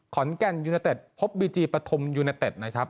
ขอนแก่นยูเนเต็ดพบบีจีปฐมยูเนเต็ดนะครับ